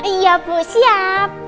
iya puk siap